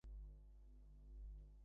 কারো মনে আঘাত দিতে চাইছি না।